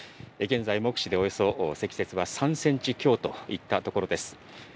現在、目視でおよそ積雪は３センチ強といったところです。